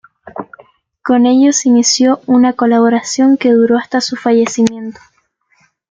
Con ellos inició una colaboración que duró hasta su fallecimiento.